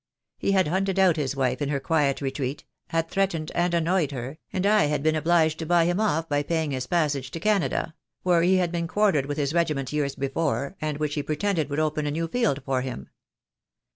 He had hunted out his wife in her quiet retreat, had threatened and annoyed her, and I had been obliged to buy him off by paying his passage to Canada — where he had been quartered with his regiment years before, and which he pretended wTould THE DAY WILL COME. 1 97 open a new field for him.